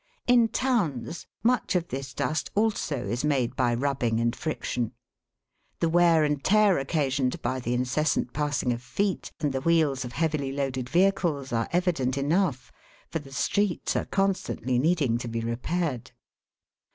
In towns, much of this dust also is made by rubbing and friction. The wear and tear occasioned by the in cessant passing of feet and the wheels of heavily loaded DUST MADE BY FRICTION. 5 vehicles are evident enough ; for the streets are constantly needing to be repaired.